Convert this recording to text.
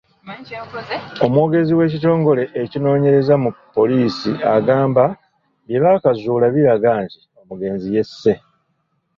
Omwogezi w’ekitongole ekinoonyereza mu poliisi agamba bye baakazuulako biraga nti omugenzi yesse.